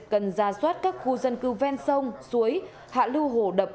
cần ra soát các khu dân cư ven sông suối hạ lưu hồ đập